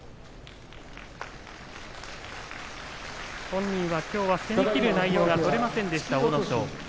本人はきょう攻めきる内容が取れませんでした、阿武咲です。